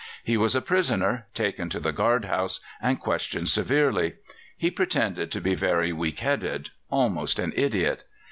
He was a prisoner, taken to the guard house, and questioned severely. He pretended to be very weak headed, almost an idiot.